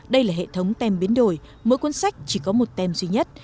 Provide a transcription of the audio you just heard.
đây là hệ thống tem biến đổi mỗi cuốn sách chỉ có một tem duy nhất